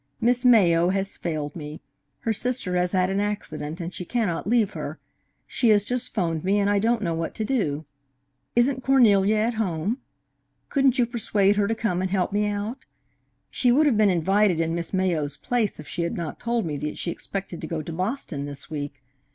Miss Mayo has failed me. Her sister has had an accident, and she cannot leave her. She has just 'phoned me, and I don't know what to do. Isn't Cornelia at home? Couldn't you persuade her to come and help me out? She would have been invited in Miss Mayo's place if she had not told me that she expected to go to Boston this week.